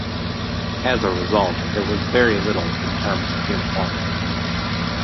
As a result, there was very little in terms of uniformity.